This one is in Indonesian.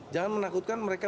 jangan menakutkan mereka